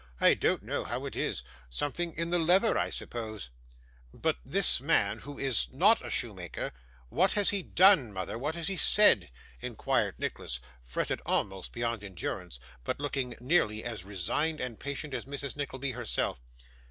I don't know how it is something in the leather, I suppose.' 'But this man, who is not a shoemaker what has he done, mother, what has he said?' inquired Nicholas, fretted almost beyond endurance, but looking nearly as resigned and patient as Mrs. Nickleby herself.